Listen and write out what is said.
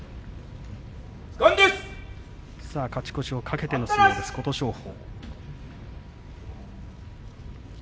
勝ち越しを懸けての相撲です琴勝峰。